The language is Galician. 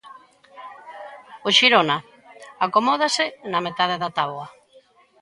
O Xirona acomódase na metade da táboa.